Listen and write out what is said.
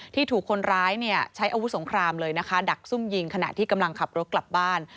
ถูกคนร้ายใช้อาวุธสงครามเลยนะคะดักซุ่มยิงขณะที่กำลังขับรถกลับบ้าน